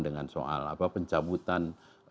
dengan soal apa pencabutan